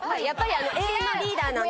永遠のリーダーなんで。